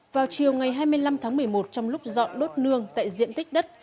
vào chiều ngày hai mươi năm tháng một mươi một trong lúc dọn đốt nương tại diện tích đất